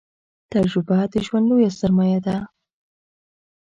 تجربه د ژوند لويه سرمايه ده